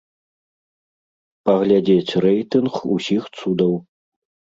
Паглядзець рэйтынг усіх цудаў.